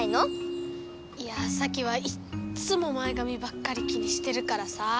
いやサキはいっつも前がみばっかり気にしてるからさあ。